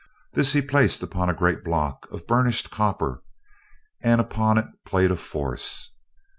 This he placed upon a great block of burnished copper, and upon it played a force.